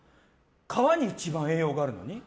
皮に一番栄養があるのに？